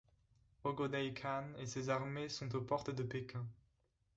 Ogödeï Khan et ses armées sont aux portes de Pékin.